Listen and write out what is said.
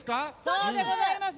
そうでございます。